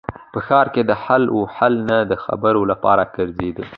په ښار کې د حال و احوال نه د خبرېدو لپاره ګرځېده.